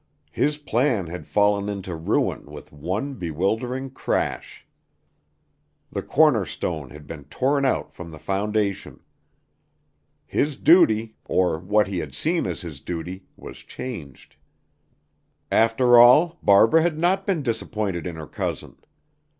His plan had fallen into ruin with one bewildering crash. The corner stone had been torn out from the foundation. His duty or what he had seen as his duty was changed. After all, Barbara had not been disappointed in her cousin.